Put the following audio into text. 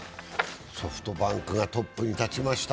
ソフトバンクがトップに立ちました。